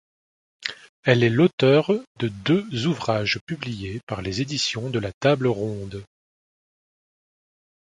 Elle est l'auteure de deux ouvrages publiés par les éditions de la Table Ronde.